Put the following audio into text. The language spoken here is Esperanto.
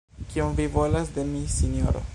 Kion vi volas de mi, sinjoro?